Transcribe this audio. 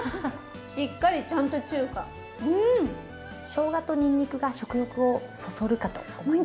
しょうがとにんにくが食欲をそそるかと思います。